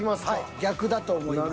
逆だと思います。